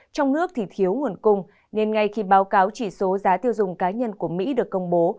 trong nước thì thiếu nguồn cung nên ngay khi báo cáo chỉ số giá tiêu dùng cá nhân của mỹ được công bố